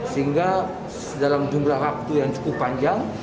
sehingga dalam jumlah waktu yang cukup panjang